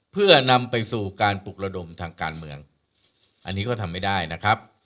เพื่อนำไปสู่การปลุกระดมทางการเมืองอันนี้ก็ทำไม่ได้นะครับ